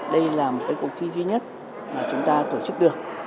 đây là một cuộc thi duy nhất mà chúng ta tổ chức được